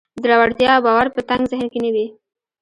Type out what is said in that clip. زړورتيا او باور په تنګ ذهن کې نه وي.